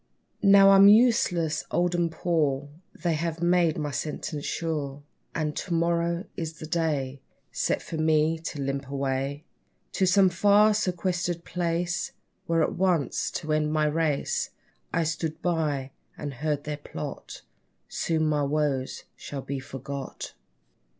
Now I'm useless, old, and poor, They have made my sentence sure; And to morrow is the day, Set for me to limp away, To some far, sequestered place, There at once to end my race. I stood by, and heard their plot Soon my woes shall be forgot!